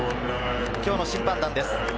今日の審判団です。